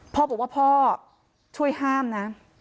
พ่อบอกว่าพ่อช่วยห้ามนะ